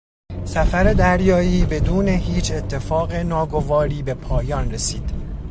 سفر دریایی بدون هیچ اتفاق ناگواری به پایان رسید.